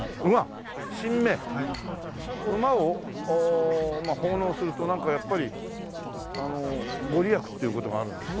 馬を奉納するとなんかやっぱり御利益っていう事があるんですか？